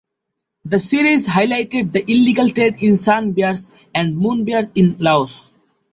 The series highlighted the illegal trade in sun bears and moon bears in Laos.